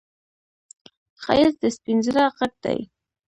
ښایست د سپين زړه غږ دی